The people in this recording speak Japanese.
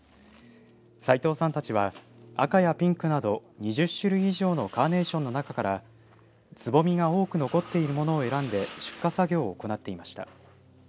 齋藤さんたちは赤やピンクなど２０種類以上のカーネーションの中からつぼみが多く残っているものを選んで出荷作業を行っていました。